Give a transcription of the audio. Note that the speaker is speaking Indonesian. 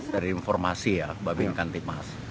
dari informasi ya babi ikan timas